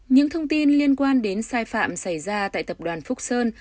những thông tin liên quan đến sai phạm xảy ra tại tập đoàn phúc sơn